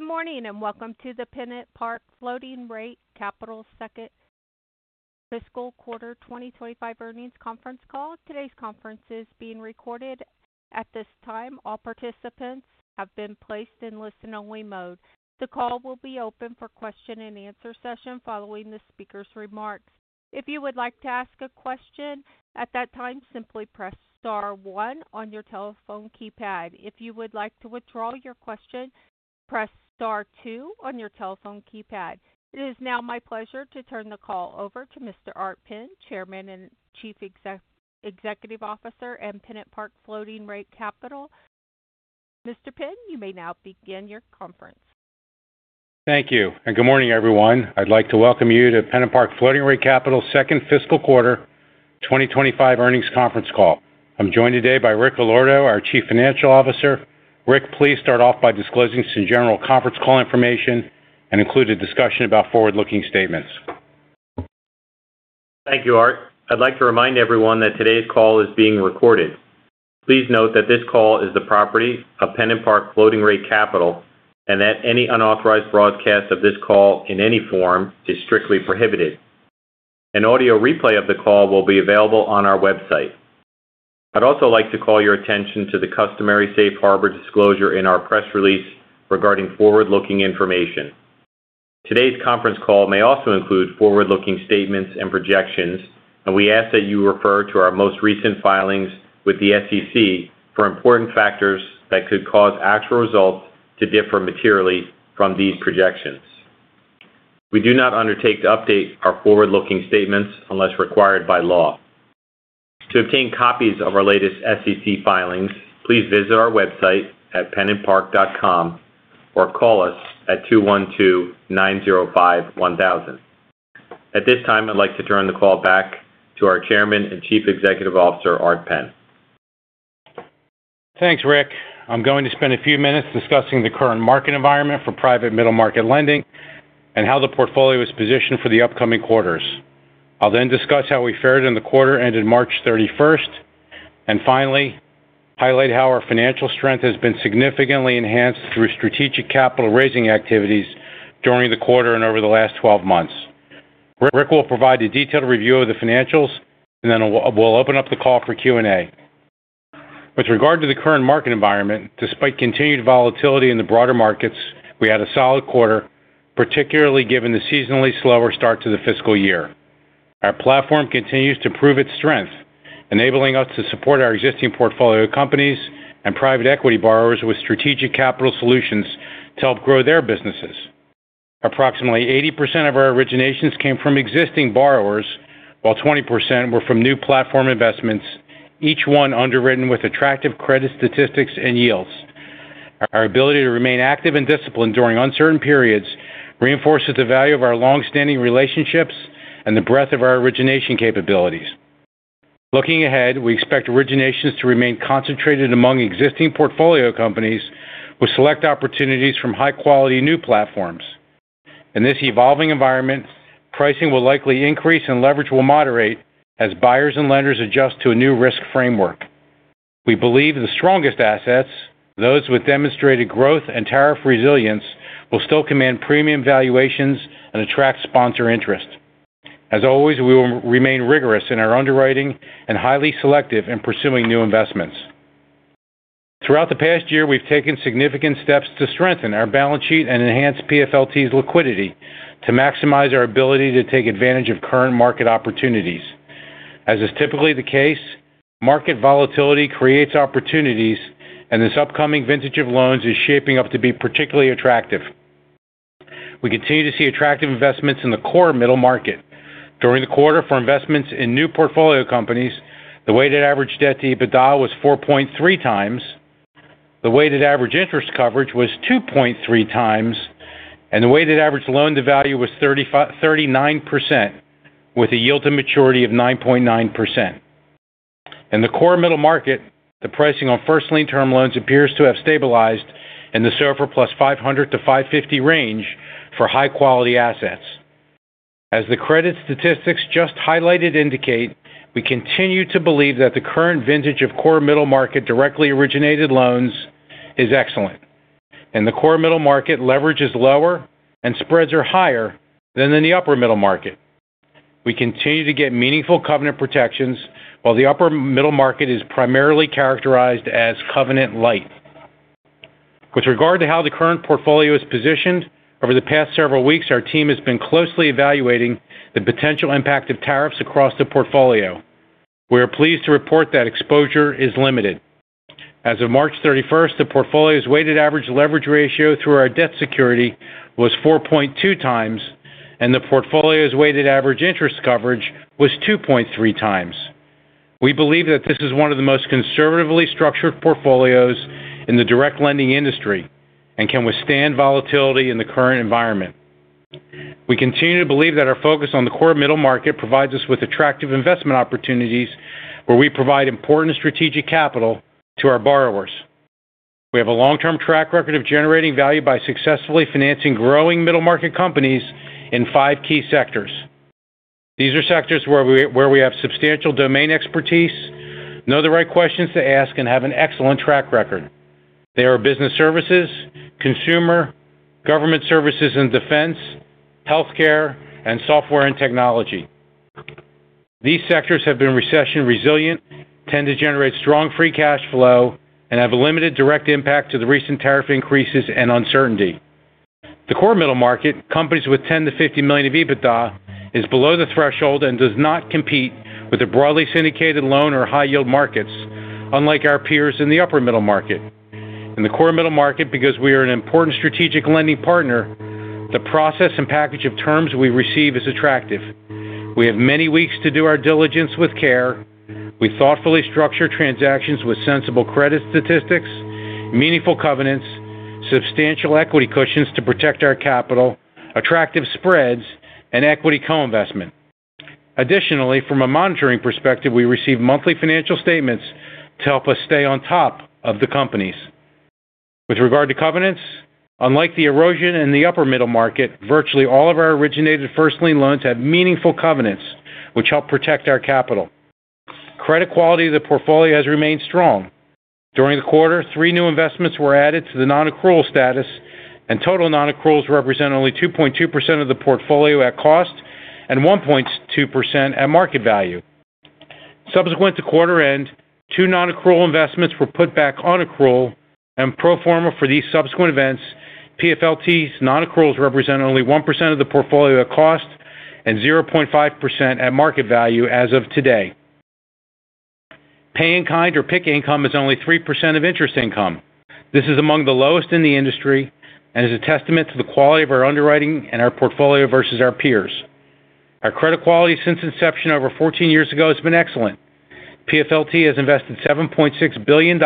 Good morning and welcome to the PennantPark Floating Rate Capital Second Fiscal Quarter 2025 Earnings Conference Call. Today's conference is being recorded. At this time, all participants have been placed in listen-only mode. The call will be open for question and answer session following the speaker's remarks. If you would like to ask a question at that time, simply press star one on your telephone keypad. If you would like to withdraw your question, press star two on your telephone keypad. It is now my pleasure to turn the call over to Mr. Art Penn, Chairman and Chief Executive Officer at PennantPark Floating Rate Capital. Mr. Penn, you may now begin your conference. Thank you. Good morning, everyone. I'd like to welcome you to PennantPark Floating Rate Capital Second Fiscal Quarter 2025 Earnings Conference Call. I'm joined today by Rick Allordo, our Chief Financial Officer. Rick, please start off by disclosing some general conference call information and include a discussion about forward-looking statements. Thank you, Art. I'd like to remind everyone that today's call is being recorded. Please note that this call is the property of PennantPark Floating Rate Capital and that any unauthorized broadcast of this call in any form is strictly prohibited. An audio replay of the call will be available on our website. I'd also like to call your attention to the customary safe harbor disclosure in our press release regarding forward-looking information. Today's conference call may also include forward-looking statements and projections, and we ask that you refer to our most recent filings with the SEC for important factors that could cause actual results to differ materially from these projections. We do not undertake to update our forward-looking statements unless required by law. To obtain copies of our latest SEC filings, please visit our website at pennantpark.com or call us at 212-905-1000. At this time, I'd like to turn the call back to our Chairman and Chief Executive Officer, Art Penn. Thanks, Rick. I'm going to spend a few minutes discussing the current market environment for private middle market lending and how the portfolio is positioned for the upcoming quarters. I'll then discuss how we fared in the quarter ended March 31st, and finally, highlight how our financial strength has been significantly enhanced through strategic capital-raising activities during the quarter and over the last 12 months. Rick will provide a detailed review of the financials, and then we'll open up the call for Q&A. With regard to the current market environment, despite continued volatility in the broader markets, we had a solid quarter, particularly given the seasonally slower start to the fiscal year. Our platform continues to prove its strength, enabling us to support our existing portfolio companies and private equity borrowers with strategic capital solutions to help grow their businesses. Approximately 80% of our originations came from existing borrowers, while 20% were from new platform investments, each one underwritten with attractive credit statistics and yields. Our ability to remain active and disciplined during uncertain periods reinforces the value of our longstanding relationships and the breadth of our origination capabilities. Looking ahead, we expect originations to remain concentrated among existing portfolio companies with select opportunities from high-quality new platforms. In this evolving environment, pricing will likely increase and leverage will moderate as buyers and lenders adjust to a new risk framework. We believe the strongest assets, those with demonstrated growth and tariff resilience, will still command premium valuations and attract sponsor interest. As always, we will remain rigorous in our underwriting and highly selective in pursuing new investments. Throughout the past year, we've taken significant steps to strengthen our balance sheet and enhance PFLT's liquidity to maximize our ability to take advantage of current market opportunities. As is typically the case, market volatility creates opportunities, and this upcoming vintage of loans is shaping up to be particularly attractive. We continue to see attractive investments in the core middle market. During the quarter, for investments in new portfolio companies, the weighted average debt to EBITDA was 4.3 times, the weighted average interest coverage was 2.3 times, and the weighted average loan-to-value was 39% with a yield-to-maturity of 9.9%. In the core middle market, the pricing on first-lien term loans appears to have stabilized in the SOFR +500-550 range for high-quality assets. As the credit statistics just highlighted indicate, we continue to believe that the current vintage of core middle market directly originated loans is excellent, and the core middle market leverage is lower and spreads are higher than in the upper middle market. We continue to get meaningful covenant protections, while the upper middle market is primarily characterized as covenant lite. With regard to how the current portfolio is positioned, over the past several weeks, our team has been closely evaluating the potential impact of tariffs across the portfolio. We are pleased to report that exposure is limited. As of March 31st, the portfolio's weighted average leverage ratio through our debt security was 4.2 times, and the portfolio's weighted average interest coverage was 2.3 times. We believe that this is one of the most conservatively structured portfolios in the direct lending industry and can withstand volatility in the current environment. We continue to believe that our focus on the core middle market provides us with attractive investment opportunities where we provide important strategic capital to our borrowers. We have a long-term track record of generating value by successfully financing growing middle market companies in five key sectors. These are sectors where we have substantial domain expertise, know the right questions to ask, and have an excellent track record. They are business services, consumer, government services and defense, healthcare, and software and technology. These sectors have been recession resilient, tend to generate strong free cash flow, and have a limited direct impact to the recent tariff increases and uncertainty. The core middle market, companies with $10 million-$50 million of EBITDA, is below the threshold and does not compete with the broadly syndicated loan or high-yield markets, unlike our peers in the upper middle market. In the core middle market, because we are an important strategic lending partner, the process and package of terms we receive is attractive. We have many weeks to do our diligence with care. We thoughtfully structure transactions with sensible credit statistics, meaningful covenants, substantial equity cushions to protect our capital, attractive spreads, and equity co-investment. Additionally, from a monitoring perspective, we receive monthly financial statements to help us stay on top of the companies. With regard to covenants, unlike the erosion in the upper middle market, virtually all of our originated first-lien loans have meaningful covenants, which help protect our capital. Credit quality of the portfolio has remained strong. During the quarter, three new investments were added to the non-accrual status, and total non-accruals represent only 2.2% of the portfolio at cost and 1.2% at market value. Subsequent to quarter end, two non-accrual investments were put back on accrual, and pro forma for these subsequent events, PFLT's non-accruals represent only 1% of the portfolio at cost and 0.5% at market value as of today. Pay-in-Kind or PIK income is only 3% of interest income. This is among the lowest in the industry and is a testament to the quality of our underwriting and our portfolio versus our peers. Our credit quality since inception over 14 years ago has been excellent. PFLT has invested $7.6 billion in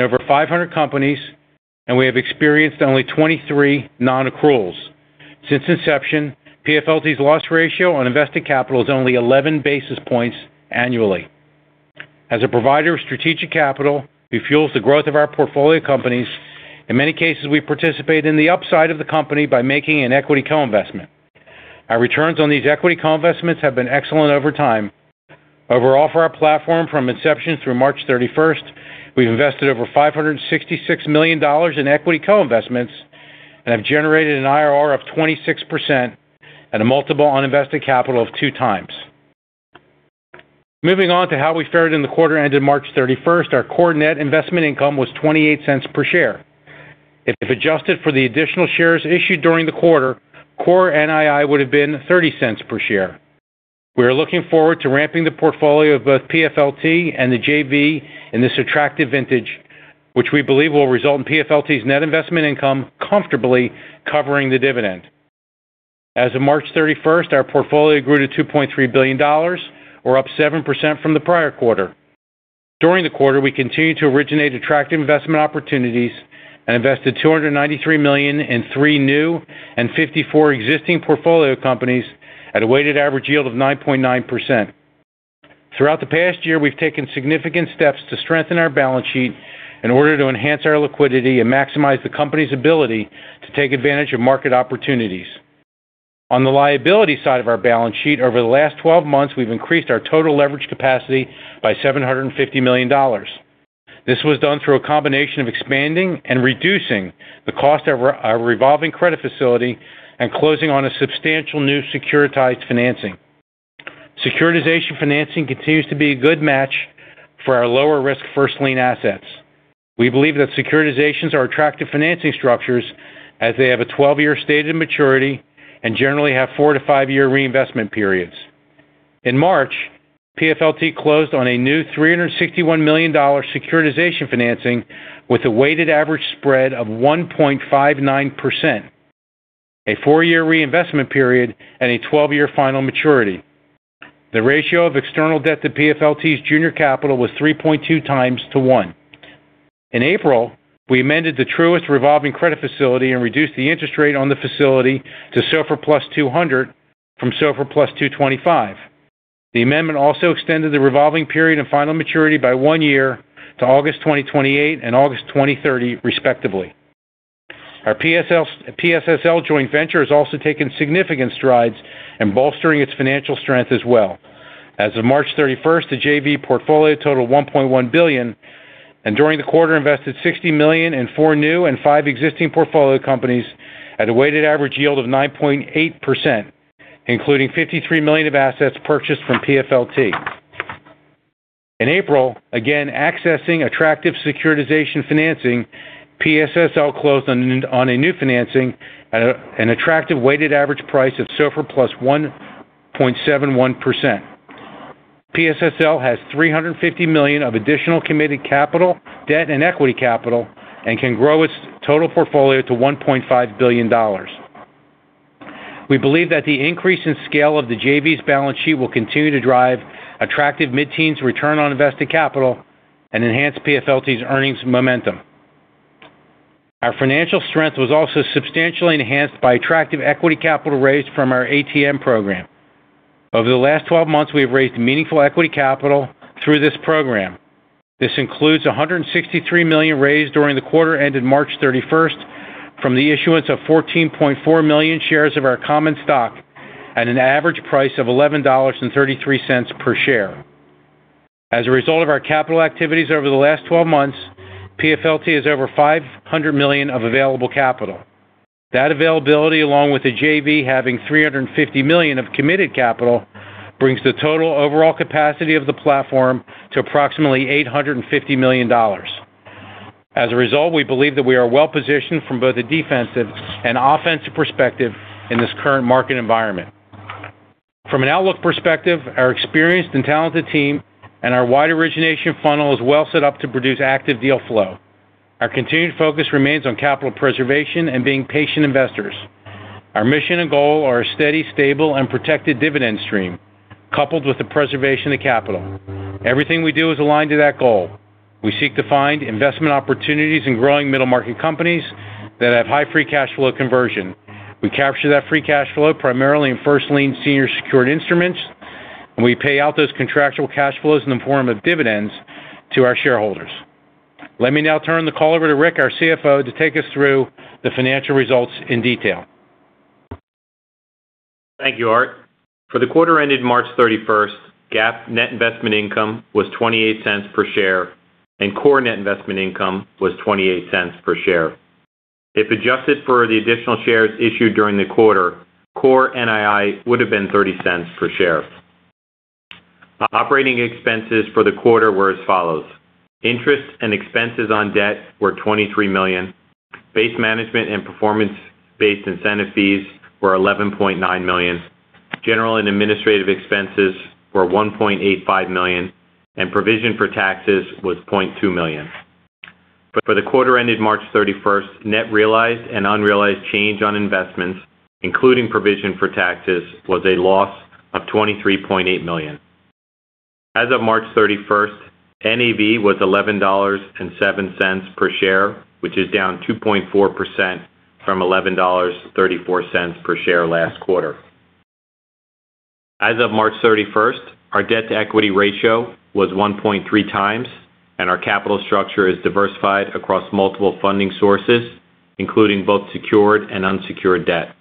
over 500 companies, and we have experienced only 23 non-accruals. Since inception, PFLT's loss ratio on invested capital is only 11 basis points annually. As a provider of strategic capital, we fuel the growth of our portfolio companies. In many cases, we participate in the upside of the company by making an equity co-investment. Our returns on these equity co-investments have been excellent over time. Overall, for our platform from inception through March 31st, we have invested over $566 million in equity co-investments and have generated an IRR of 26% and a multiple on invested capital of two times. Moving on to how we fared in the quarter ended March 31st, our core net investment income was $0.28 per share. If adjusted for the additional shares issued during the quarter, core NII would have been $0.30 per share. We are looking forward to ramping the portfolio of both PFLT and the JV in this attractive vintage, which we believe will result in PFLT's net investment income comfortably covering the dividend. As of March 31st, our portfolio grew to $2.3 billion, or up 7% from the prior quarter. During the quarter, we continued to originate attractive investment opportunities and invested $293 million in three new and 54 existing portfolio companies at a weighted average yield of 9.9%. Throughout the past year, we've taken significant steps to strengthen our balance sheet in order to enhance our liquidity and maximize the company's ability to take advantage of market opportunities. On the liability side of our balance sheet, over the last 12 months, we've increased our total leverage capacity by $750 million. This was done through a combination of expanding and reducing the cost of our revolving credit facility and closing on a substantial new securitization financing. Securitization financing continues to be a good match for our lower-risk first-lien assets. We believe that securitizations are attractive financing structures as they have a 12-year stated maturity and generally have four to five year reinvestment periods. In March, PFLT closed on a new $361 million securitization financing with a weighted average spread of 1.59%, a four-year reinvestment period, and a 12-year final maturity. The ratio of external debt to PFLT's junior capital was 3.2 times to 1. In April, we amended the Truist revolving credit facility and reduced the interest rate on the facility to SOFR +200 from SOFR +225. The amendment also extended the revolving period and final maturity by one year to August 2028 and August 2030, respectively. Our PSSL joint venture has also taken significant strides in bolstering its financial strength as well. As of March 31st, the JV portfolio totaled $1.1 billion, and during the quarter, invested $60 million in four new and five existing portfolio companies at a weighted average yield of 9.8%, including $53 million of assets purchased from PFLT. In April, again accessing attractive securitization financing, PSSL closed on a new financing at an attractive weighted average price of SOFR +1.71%. PSSL has $350 million of additional committed capital, debt, and equity capital and can grow its total portfolio to $1.5 billion. We believe that the increase in scale of the JV's balance sheet will continue to drive attractive mid-teens return on invested capital and enhance PFLT's earnings momentum. Our financial strength was also substantially enhanced by attractive equity capital raised from our ATM program. Over the last 12 months, we have raised meaningful equity capital through this program. This includes $163 million raised during the quarter ended March 31st from the issuance of 14.4 million shares of our common stock at an average price of $11.33 per share. As a result of our capital activities over the last 12 months, PFLT has over $500 million of available capital. That availability, along with the JV having $350 million of committed capital, brings the total overall capacity of the platform to approximately $850 million. As a result, we believe that we are well positioned from both a defensive and offensive perspective in this current market environment. From an outlook perspective, our experienced and talented team and our wide origination funnel are well set up to produce active deal flow. Our continued focus remains on capital preservation and being patient investors. Our mission and goal are a steady, stable, and protected dividend stream coupled with the preservation of capital. Everything we do is aligned to that goal. We seek to find investment opportunities in growing middle market companies that have high free cash flow conversion. We capture that free cash flow primarily in first-lien senior secured instruments, and we pay out those contractual cash flows in the form of dividends to our shareholders. Let me now turn the call over to Rick, our CFO, to take us through the financial results in detail. Thank you, Art. For the quarter ended March 31st, GAAP net investment income was $0.28 per share, and core net investment income was $0.28 per share. If adjusted for the additional shares issued during the quarter, core NII would have been $0.30 per share. Operating expenses for the quarter were as follows. Interest and expenses on debt were $23 million. Base management and performance-based incentive fees were $11.9 million. General and administrative expenses were $1.85 million, and provision for taxes was $0.2 million. For the quarter ended March 31st, net realized and unrealized change on investments, including provision for taxes, was a loss of $23.8 million. As of March 31st, NAV was $11.07 per share, which is down 2.4% from $11.34 per share last quarter. As of March 31st, our debt to equity ratio was 1.3 times, and our capital structure is diversified across multiple funding sources, including both secured and unsecured debt.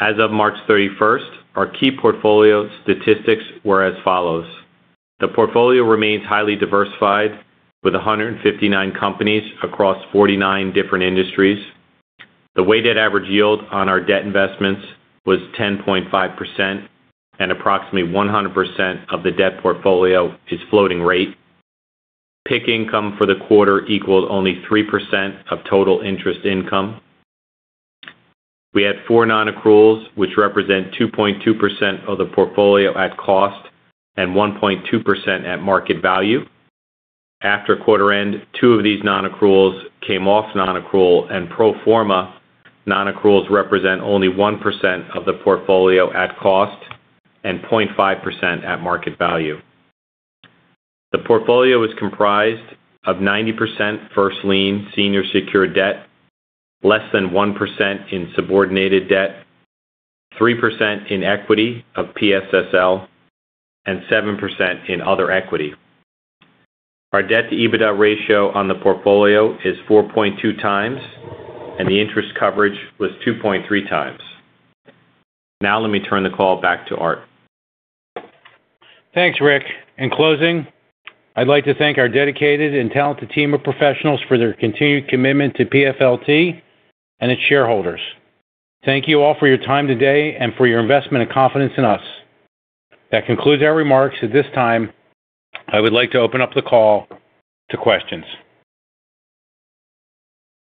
As of March 31st, our key portfolio statistics were as follows. The portfolio remains highly diversified with 159 companies across 49 different industries. The weighted average yield on our debt investments was 10.5%, and approximately 100% of the debt portfolio is floating rate. PIK income for the quarter equaled only 3% of total interest income. We had four non-accruals, which represent 2.2% of the portfolio at cost and 1.2% at market value. After quarter end, two of these non-accruals came off non-accrual, and pro forma non-accruals represent only 1% of the portfolio at cost and 0.5% at market value. The portfolio is comprised of 90% first-lien senior secured debt, less than 1% in subordinated debt, 3% in equity of PSSL, and 7% in other equity. Our debt to EBITDA ratio on the portfolio is 4.2 times, and the interest coverage was 2.3 times. Now let me turn the call back to Art. Thanks, Rick. In closing, I'd like to thank our dedicated and talented team of professionals for their continued commitment to PFLT and its shareholders. Thank you all for your time today and for your investment and confidence in us. That concludes our remarks. At this time, I would like to open up the call to questions.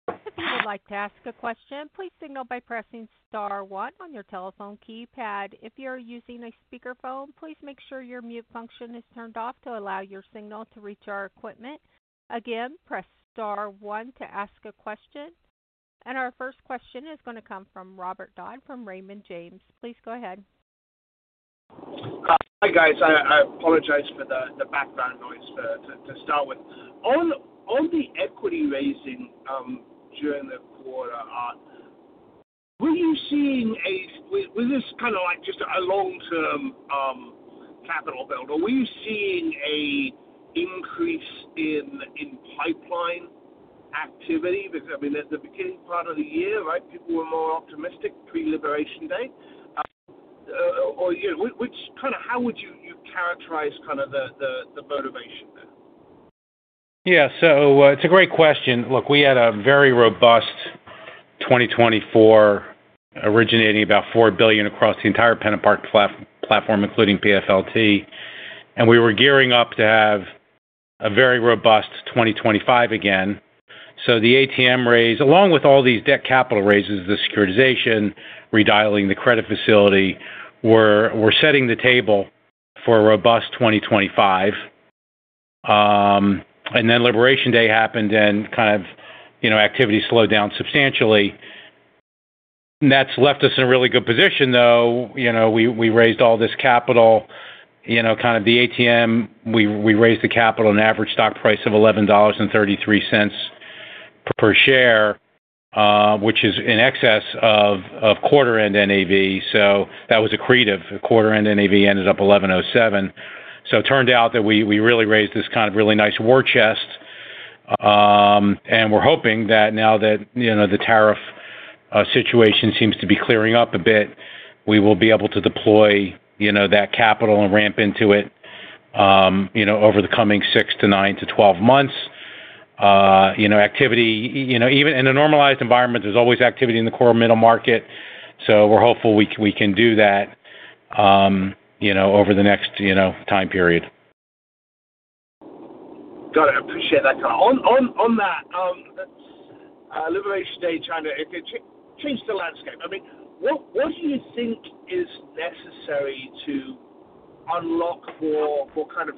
If you would like to ask a question, please signal by pressing star one on your telephone keypad. If you're using a speakerphone, please make sure your mute function is turned off to allow your signal to reach our equipment. Again, press star one to ask a question. Our first question is going to come from Robert Dodd from Raymond James. Please go ahead. Hi, guys. I apologize for the background noise. To start with, on the equity raising during the quarter, were you seeing a—was this kind of like just a long-term capital build? Or were you seeing an increase in pipeline activity? Because, I mean, at the beginning part of the year, right, people were more optimistic pre-liberation day. Or kind of how would you characterize kind of the motivation there? Yeah. It's a great question. Look, we had a very robust 2024, originating about $4 billion across the entire PennantPark platform, including PFLT. We were gearing up to have a very robust 2025 again. The ATM raise, along with all these debt capital raises, the securitization, redialing the credit facility, were setting the table for a robust 2025. Liberation day happened, and kind of activity slowed down substantially. That has left us in a really good position, though. We raised all this capital. The ATM, we raised the capital at an average stock price of $11.33 per share, which is in excess of quarter-end NAV. That was accretive. Quarter-end NAV ended up $11.07. It turned out that we really raised this kind of really nice war chest. We're hoping that now that the tariff situation seems to be clearing up a bit, we will be able to deploy that capital and ramp into it over the coming six to nine to 12 months. Activity, even in a normalized environment, there's always activity in the core middle market. We're hopeful we can do that over the next time period. Got it. I appreciate that. On that, liberation day trying to change the landscape. I mean, what do you think is necessary to unlock for kind of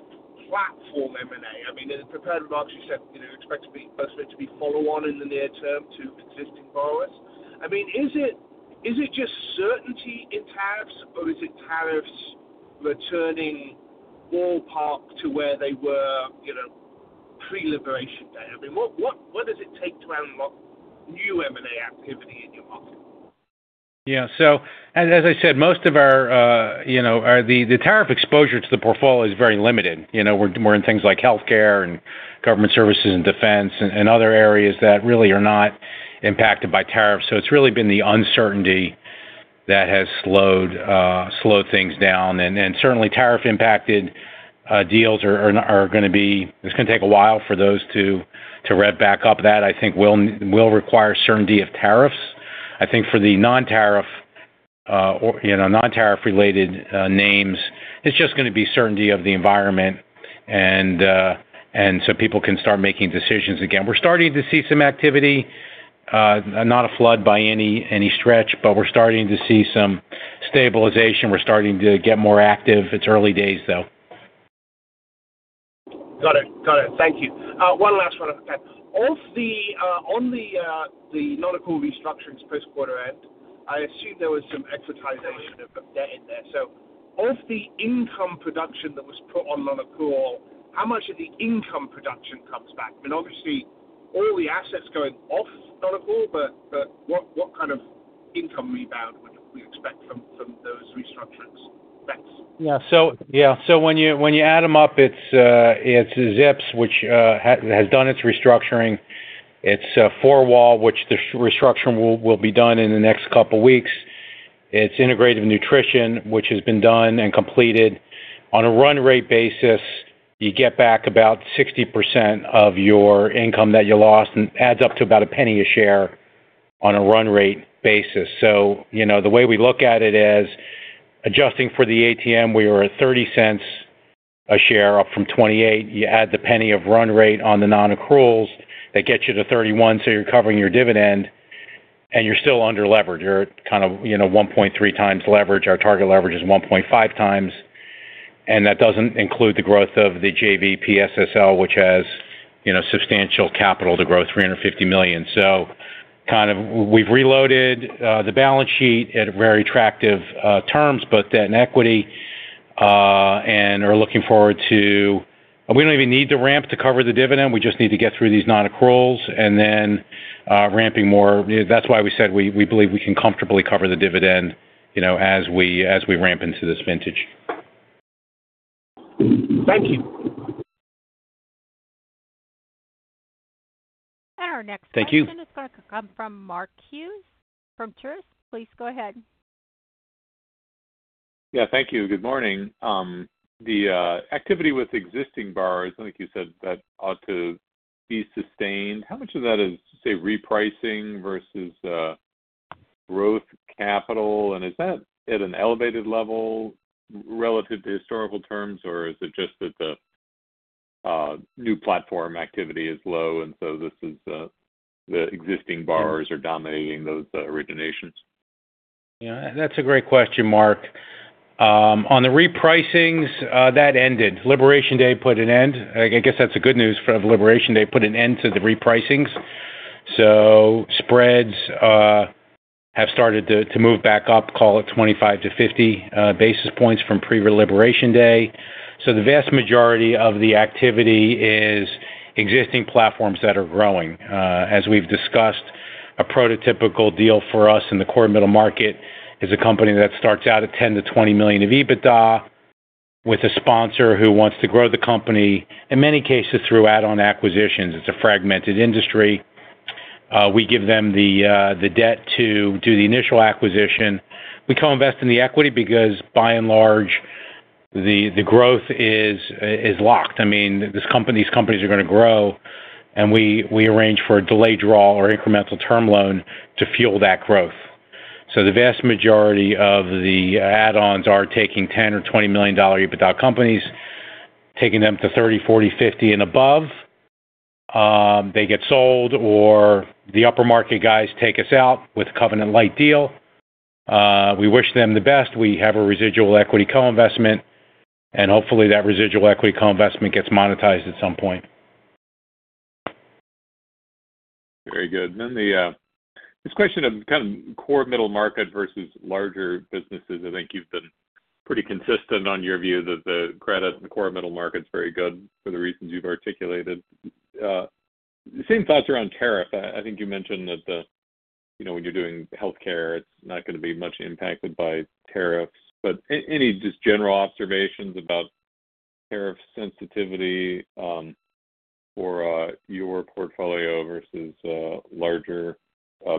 platform M&A? I mean, in the prepared remarks, you said expect to be follow-on in the near term to existing borrowers. Is it just certainty in tariffs, or is it tariffs returning ballpark to where they were pre-liberation day? What does it take to unlock new M&A activity in your market? Yeah. As I said, most of our tariff exposure to the portfolio is very limited. We're in things like healthcare and government services and defense and other areas that really are not impacted by tariffs. It's really been the uncertainty that has slowed things down. Certainly, tariff-impacted deals are going to be—it is going to take a while for those to rev back up. That, I think, will require certainty of tariffs. I think for the non-tariff related names, it's just going to be certainty of the environment, and so people can start making decisions again. We're starting to see some activity, not a flood by any stretch, but we're starting to see some stabilization. We're starting to get more active. It's early days, though. Got it. Got it. Thank you. One last one. On the non-accrual restructuring post-quarter end, I assume there was some exercise of debt in there. So of the income production that was put on non-accrual, how much of the income production comes back? I mean, obviously, all the assets going off non-accrual, but what kind of income rebound would we expect from those restructuring? Yeah. So when you add them up, it's ZIPS, which has done its restructuring. It's Four Wall, which the restructuring will be done in the next couple of weeks. It's Integrative Nutrition, which has been done and completed. On a run rate basis, you get back about 60% of your income that you lost and adds up to about a penny a share on a run rate basis. The way we look at it is adjusting for the ATM, we were at $0.30 a share up from $0.28. You add the penny of run rate on the non-accruals, that gets you to 31, so you're covering your dividend, and you're still under-levered. You're at kind of 1.3 times leverage. Our target leverage is 1.5 times, and that doesn't include the growth of the JV PSSL, which has substantial capital to grow $350 million. Kind of we've reloaded the balance sheet at very attractive terms, both debt and equity, and are looking forward to—we don't even need to ramp to cover the dividend. We just need to get through these non-accruals and then ramping more. That's why we said we believe we can comfortably cover the dividend as we ramp into this vintage. Thank you. Our next question is going to come from Mark Hughes from Truist. Please go ahead. Yeah. Thank you. Good morning. The activity with existing borrowers, I think you said that ought to be sustained. How much of that is, say, repricing versus growth capital? Is that at an elevated level relative to historical terms, or is it just that the new platform activity is low and the existing borrowers are dominating those originations? Yeah. That's a great question, Mark. On the repricings, that ended. Liberation Day put an end. I guess that's the good news of Liberation Day, put an end to the repricings. Spreads have started to move back up, call it 25-50 basis points from pre-Liberation Day. The vast majority of the activity is existing platforms that are growing. As we've discussed, a prototypical deal for us in the core middle market is a company that starts out at $10 million-$20 million of EBITDA with a sponsor who wants to grow the company. In many cases, through add-on acquisitions. It's a fragmented industry. We give them the debt to do the initial acquisition. We co-invest in the equity because, by and large, the growth is locked. I mean, these companies are going to grow, and we arrange for a delayed draw or incremental term loan to fuel that growth. The vast majority of the add-ons are taking $10 million or $20 million EBITDA companies, taking them to $30 million, $40 million, $50 million, and above. They get sold, or the upper market guys take us out with a covenant-lite deal. We wish them the best. We have a residual equity co-investment, and hopefully, that residual equity co-investment gets monetized at some point. Very good. This question of kind of core middle market versus larger businesses, I think you've been pretty consistent on your view that the credit in core middle market's very good for the reasons you've articulated. Same thoughts around tariff. I think you mentioned that when you're doing healthcare, it's not going to be much impacted by tariffs. Any just general observations about tariff sensitivity for your portfolio versus larger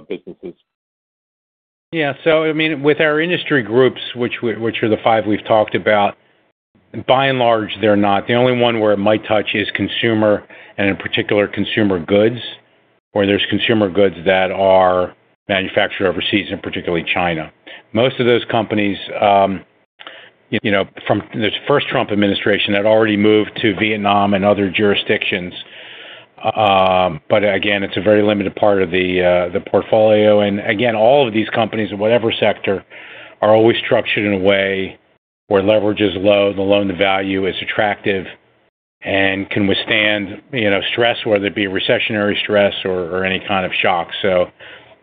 businesses? Yeah. I mean, with our industry groups, which are the five we've talked about, by and large, they're not. The only one where it might touch is consumer and, in particular, consumer goods, where there's consumer goods that are manufactured overseas, in particular, China. Most of those companies from the first Trump administration had already moved to Vietnam and other jurisdictions. It is a very limited part of the portfolio. All of these companies in whatever sector are always structured in a way where leverage is low, the loan to value is attractive, and can withstand stress, whether it be recessionary stress or any kind of shock.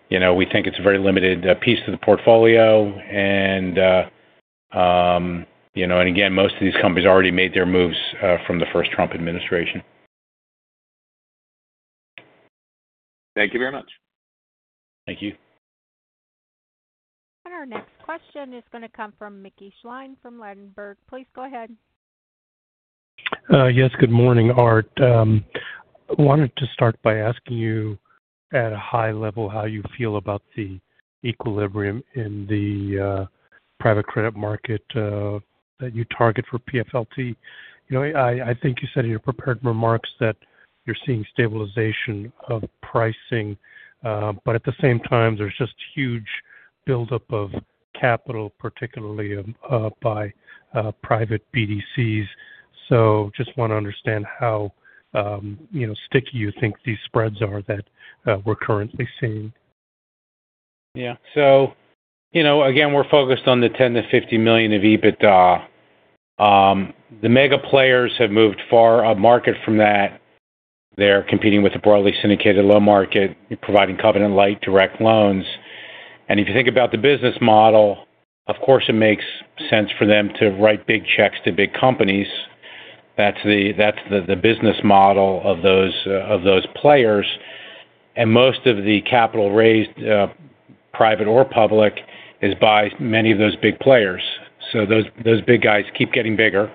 We think it is a very limited piece of the portfolio. Most of these companies already made their moves from the first Trump administration. Thank you very much. Thank you. Our next question is going to come from Mickey Schlein from Ladenburg. Please go ahead. Yes. Good morning, Art. I wanted to start by asking you at a high level how you feel about the equilibrium in the private credit market that you target for PFLT. I think you said in your prepared remarks that you're seeing stabilization of pricing, but at the same time, there's just huge buildup of capital, particularly by private BDCs. I just want to understand how sticky you think these spreads are that we're currently seeing. Yeah. Again, we're focused on the $10 million-$50 million of EBITDA. The mega players have moved far up market from that. They're competing with a broadly syndicated loan market, providing covenant-lite direct loans. If you think about the business model, of course, it makes sense for them to write big checks to big companies. That's the business model of those players. Most of the capital raised, private or public, is by many of those big players. Those big guys keep getting bigger.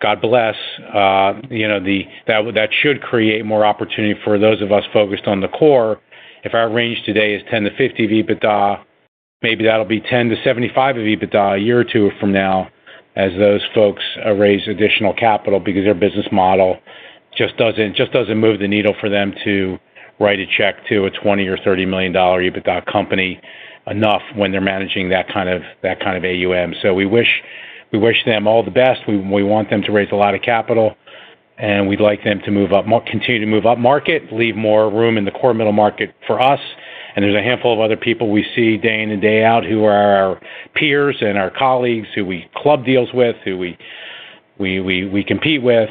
God bless. That should create more opportunity for those of us focused on the core. If our range today is $10 million-$50 million of EBITDA, maybe that'll be $10 million-$75 million of EBITDA a year or two from now as those folks raise additional capital because their business model just doesn't move the needle for them to write a check to a $20 million or $30 million EBITDA company enough when they're managing that kind of AUM. We wish them all the best. We want them to raise a lot of capital, and we'd like them to continue to move up market, leave more room in the core middle market for us. There's a handful of other people we see day in and day out who are our peers and our colleagues who we club deals with, who we compete with.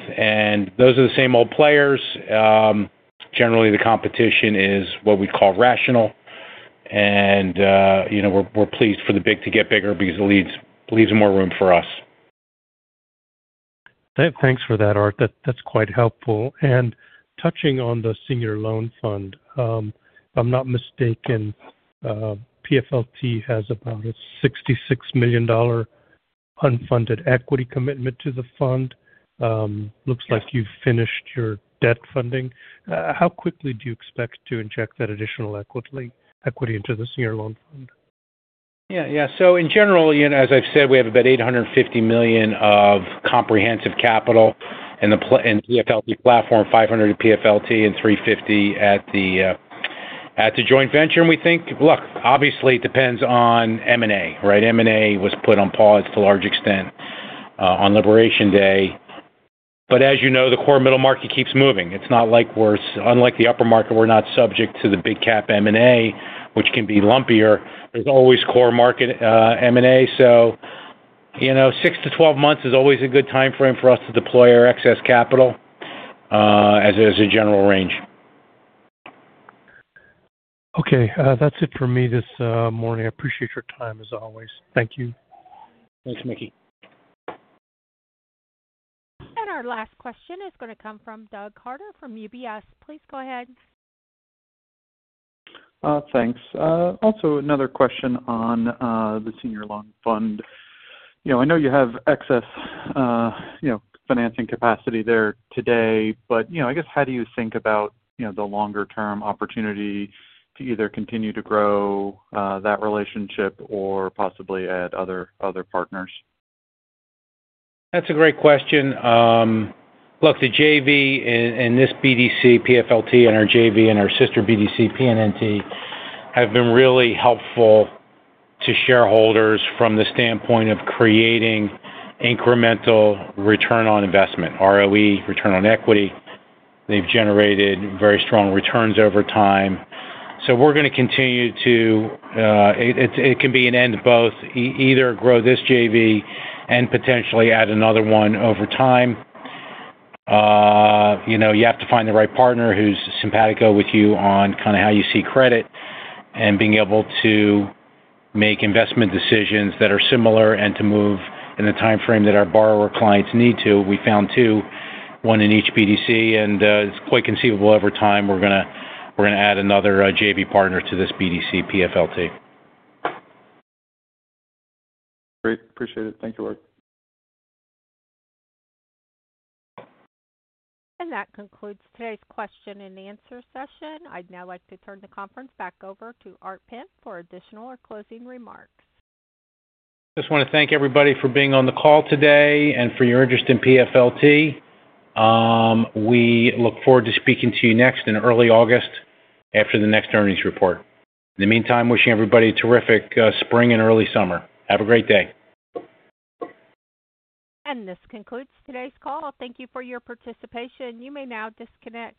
Those are the same old players. Generally, the competition is what we call rational. We're pleased for the big to get bigger because it leaves more room for us. Thanks for that, Art. That's quite helpful. Touching on the Senior Loan Fund, if I'm not mistaken, PFLT has about a $66 million unfunded equity commitment to the fund. Looks like you've finished your debt funding. How quickly do you expect to inject that additional equity into the Senior Loan Fund? Yeah. In general, as I've said, we have about $850 million of comprehensive capital in the PFLT platform, $500 million at PFLT and $350 million at the joint venture. We think, look, obviously, it depends on M&A, right? M&A was put on pause to a large extent on Liberation Day. As you know, the core middle market keeps moving. It's not like we're unlike the upper market, we're not subject to the big cap M&A, which can be lumpier. There's always core market M&A. Six to 12 months is always a good time frame for us to deploy our excess capital as a general range. Okay. That's it for me this morning. I appreciate your time as always. Thank you. Thanks, Mickey. Our last question is going to come from Doug Carter from UBS. Please go ahead. Thanks. Also, another question on the Senior Loan Fund. I know you have excess financing capacity there today, but I guess how do you think about the longer-term opportunity to either continue to grow that relationship or possibly add other partners? That's a great question. Look, the JV and this BDC, PFLT, and our JV and our sister BDC, PNNT, have been really helpful to shareholders from the standpoint of creating incremental return on investment, ROE, return on equity. They've generated very strong returns over time. We're going to continue to—it can be an end to both—either grow this JV and potentially add another one over time. You have to find the right partner who's simpatico with you on kind of how you see credit and being able to make investment decisions that are similar and to move in a time frame that our borrower clients need to. We found two, one in each BDC, and it's quite conceivable over time we're going to add another JV partner to this BDC, PFLT. Great. Appreciate it. Thank you, Art. That concludes today's question and answer session. I'd now like to turn the conference back over to Art Penn for additional or closing remarks. Just want to thank everybody for being on the call today and for your interest in PFLT. We look forward to speaking to you next in early August after the next earnings report. In the meantime, wishing everybody a terrific spring and early summer. Have a great day. This concludes today's call. Thank you for your participation. You may now disconnect.